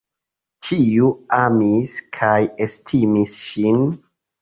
Ĉiu amis kaj estimis ŝin.